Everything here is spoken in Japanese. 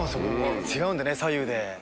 違うんでね左右で。